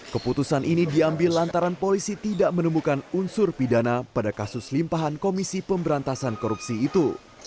keputusan ini diambil lantaran polisi tidak menemukan unsur pidana pada kasus limpahan komisi pemberantasan korupsi itu